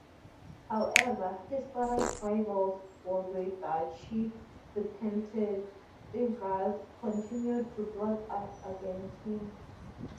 However, his father's rivals for the duchy, the Pentheiveres, continued to plot against him.